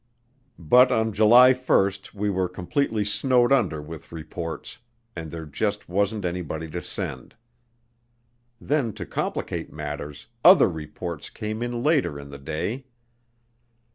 But by July 1 we were completely snowed under with reports, and there just wasn't anybody to send. Then, to complicate matters, other reports came in later in the day.